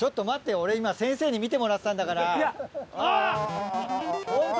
俺今先生に見てもらってたんだから。